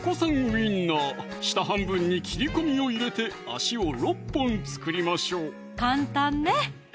ウインナー下半分に切り込みを入れて足を６本作りましょう簡単ね！